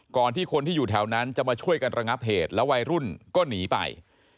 ที่คนที่อยู่แถวนั้นจะมาช่วยกันระงับเหตุแล้ววัยรุ่นก็หนีไป